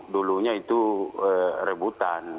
dulunya itu rebutan